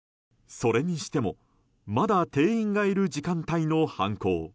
それにしてもまだ店員がいる時間帯の犯行。